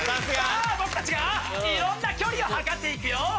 さぁ僕たちがいろんな距離を測っていくよ。